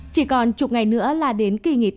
chỉ còn chục ngày nữa là đến kỳ nghỉ tết